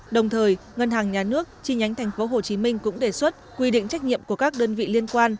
đồng thời ngân hàng nhà nước chi nhánh tp hcm cũng đề xuất quy định trách nhiệm của các đơn vị liên quan